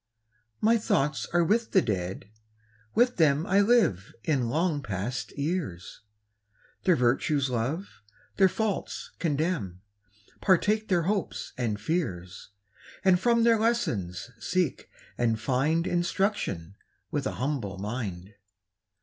My thoughts are with the Dead, with them I live in long past years, Their virtues love, their faults condemn, Partake their hopes and fears, And from their lessons seek and find Instruction with ^n humble mind.